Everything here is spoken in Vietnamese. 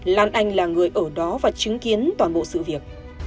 lan anh là người ở đó và chứng kiến toàn bộ sự việc